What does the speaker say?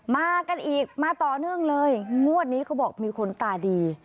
มากันอีกมาต่อเนื่องเลยงวดนี้เขาบอกมีคนตาดี